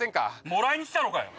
もらいに来たのかよ！